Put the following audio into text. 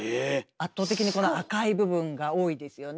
圧倒的にこの赤い部分が多いですよね。